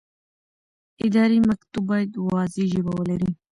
اداري مکتوب باید واضح ژبه ولري.